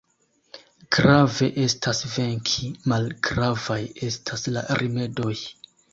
Grave estas venki, malgravaj estas la rimedoj.